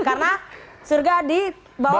karena surga di bawah